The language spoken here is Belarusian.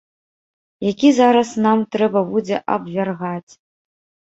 Які зараз нам трэба будзе абвяргаць.